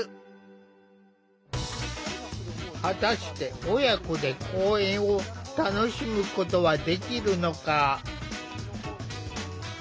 果たして親子で公園を楽しむことはできるのか。